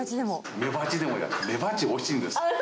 メバチでもじゃない、メバチ、おいしいんです。